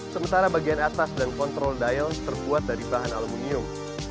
sementara bagian atas dan kontrol diles terbuat dari bahan aluminium